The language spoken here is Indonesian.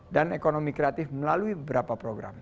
dan ekonomi kreatif melalui beberapa program